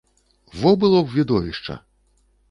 Во было б відовішча!